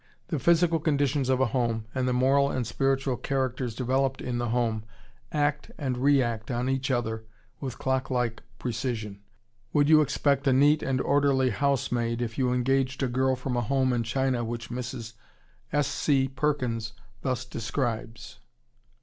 ] The physical conditions of a home, and the moral and spiritual characters developed in the home act and re act on each other with clock like precision. Would you expect a neat and orderly housemaid if you engaged a girl from a home in China which Mrs. S. C. Perkins thus describes?